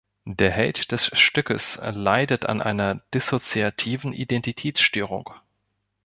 Der Held des Stückes leidet an einer Dissoziativen Identitätsstörung.